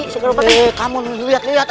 silahkan ini mamin